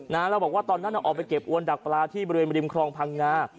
แล้วบอกว่าตอนนั้นออกไปเก็บอวนดักปลาที่บริเวณบริมครองพังงา